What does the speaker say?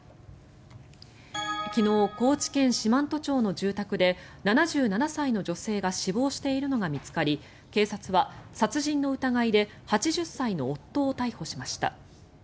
昨日、高知県四万十町の住宅で７７歳の女性が死亡しているのが見つかり警察は殺人の疑いで８０歳の夫を逮捕しました。